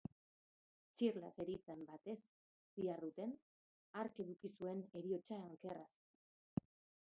Txirla zeritzan batez ziharduten, hark eduki zuen heriotza ankerraz.